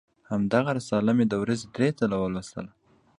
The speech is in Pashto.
همدغه رساله مې د ورځې درې ځله لوستله.